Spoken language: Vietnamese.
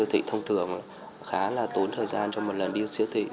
thị thông thường khá là tốn thời gian cho một lần đi siêu thị